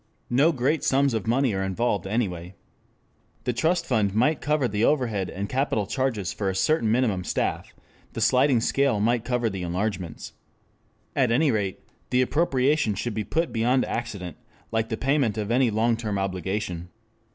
No great sums of money are involved anyway. The trust fund might cover the overhead and capital charges for a certain minimum staff, the sliding scale might cover the enlargements. At any rate the appropriation should be put beyond accident, like the payment of any long term obligation.